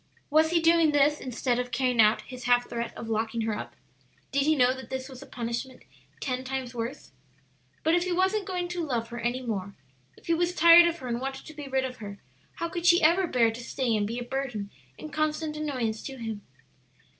Was he doing this instead of carrying out his half threat of locking her up? Did he know that this was a punishment ten times worse? But if he wasn't going to love her any more, if he was tired of her and wanted to be rid of her, how could she ever bear to stay and be a burden and constant annoyance to him?